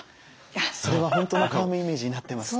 それは本当のカームイメージになってます。